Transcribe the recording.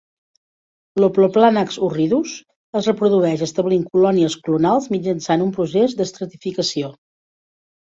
L'"Oplopanax horridus" es reprodueix establint colònies clonals mitjançant un procés d'estratificació.